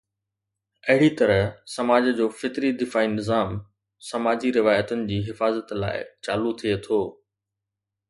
اهڙي طرح سماج جو فطري دفاعي نظام سماجي روايتن جي حفاظت لاءِ چالو ٿئي ٿو.